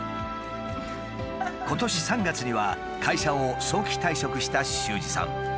今年３月には会社を早期退職した秀司さん。